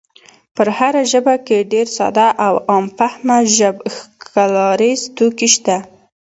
په هره ژبه کې ډېر ساده او عام فهمه ژب ښکلاییز توکي شته.